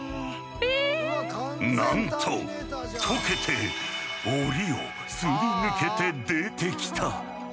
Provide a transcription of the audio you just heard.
なんと溶けて檻をすり抜けて出てきた。